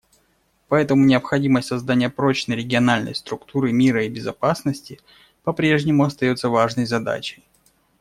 Поэтому необходимость создания прочной региональной структуры мира и безопасности попрежнему остается важной задачей.